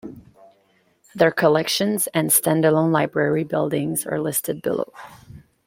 Their collections and stand-alone library buildings are listed below.